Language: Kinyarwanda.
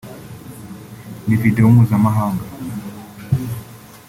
ni Video mpuzamahanga”